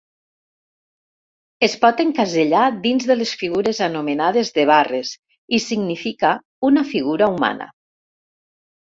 Es pot encasellar dins de les figures anomenades de barres i significa una figura humana.